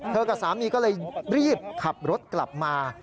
กับสามีก็เลยรีบขับรถกลับมา